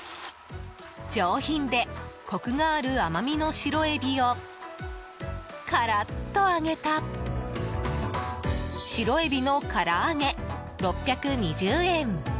上品でコクがある甘みの白エビをからっと揚げた白えびの唐揚げ、６２０円。